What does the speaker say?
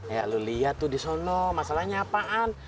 ya lo lihat tuh di sana masalahnya apaan